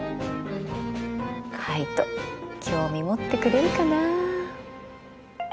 カイト興味持ってくれるかな。